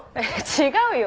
違うよ。